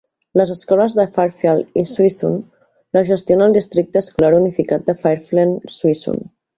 Les escoles de Fairfield i Suisun les gestiona el districte escolar unificat de Fairfield-Suisun.